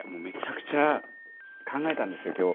めちゃくちゃ考えたんですよ